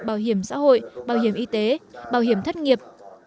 bảo hiểm xã hội bảo hiểm y tế bảo hiểm thất nghiệp